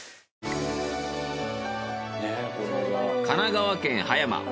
神奈川県葉山。